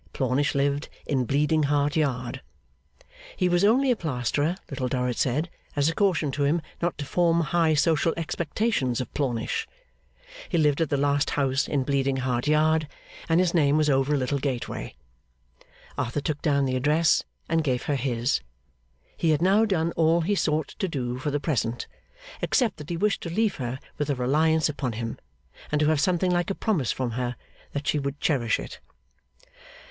Plornish lived in Bleeding Heart Yard. He was 'only a plasterer,' Little Dorrit said, as a caution to him not to form high social expectations of Plornish. He lived at the last house in Bleeding Heart Yard, and his name was over a little gateway. Arthur took down the address and gave her his. He had now done all he sought to do for the present, except that he wished to leave her with a reliance upon him, and to have something like a promise from her that she would cherish it.